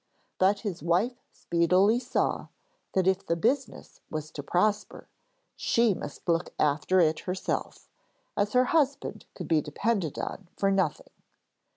But his wife speedily saw that if the business was to prosper she must look after it herself, as her husband could be depended on for nothing.